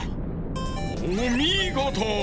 おみごと。